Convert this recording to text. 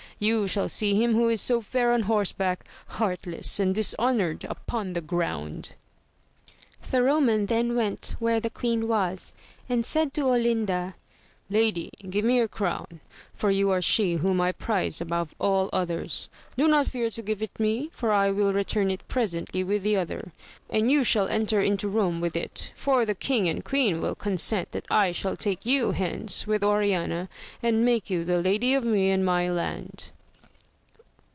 You shall see him who is so fair on horseback, heartless and dishonoured upon the ground ! The Roman then went where the queen was, and AMADIS OF GAUL. 37 said to Olinda, Lady give me your crown, for you are she whom I prize above all others ; do not fear to give it me, for I will return it presently with the other, and you shall enter into Eome with it ; for the king and queen will consent that I shall take you hence with Oriana, and make you the lady of me and my land.